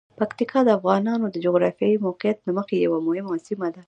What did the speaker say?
پکتیکا د افغانانو د جغرافیايی موقعیت له مخې یوه مهمه سیمه ده.